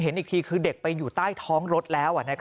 เห็นอีกทีคือเด็กไปอยู่ใต้ท้องรถแล้ว